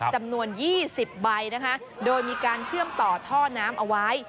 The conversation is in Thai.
จำนวน๒๐ใบนะคะโดยมีการเชื่อมต่อท่อน้ำเอาไว้